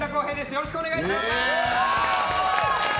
よろしくお願いします。